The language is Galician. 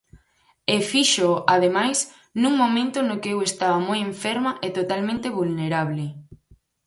E fíxoo ademais nun momento no que eu estaba moi enferma e totalmente vulnerable.